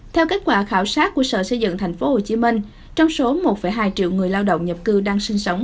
theo kết quả khảo sát của sở xây dựng tp hcm trong số một hai triệu người lao động nhập cư đang sinh sống